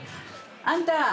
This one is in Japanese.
あんた！